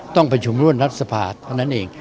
ต้องประชุมร่วมรัฐสภาเท่านั้นเอง